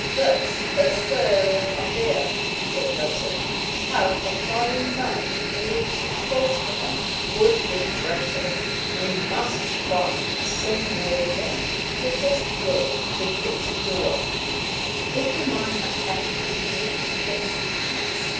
"This is a serious affair," said Joseph. "To have a dying man believe you false to him would be dreadful! We must find some way in. Let us go to the kitchen door." "If Jemima happened to be near, then, perhaps!"